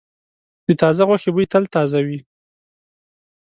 د تازه غوښې بوی تل تازه وي.